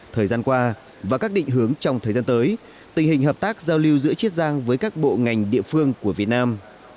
thời gian qua và các định hướng trong thời gian tới tình hình hợp tác giao lưu giữa chiết giang với các bộ ngành địa phương của việt nam